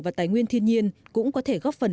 và tài nguyên thiên nhiên cũng có thể góp phần